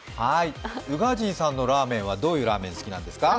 宇賀神さんのラーメンはどういうラーメン好きなんですか？